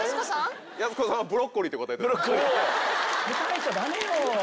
答えちゃダメよ。